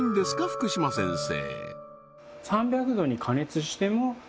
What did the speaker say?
福島先生